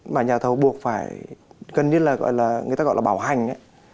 mà nhà thầu buộc phải gần như là người ta gọi là bảo hành